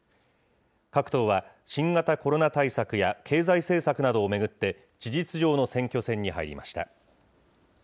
各党は、新型コロナ対策や経済政策などを巡って、事実上の選挙戦に入りました。